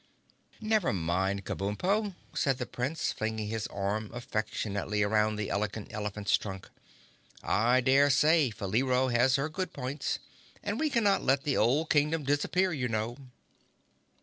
"Never mind, Kabumpo," said the Prince, flinging his arm affectionately around the Elegant Elephant's trunk, "I dare say Faleero has her good points—and we cannot let the old Kingdom disappear, you know!"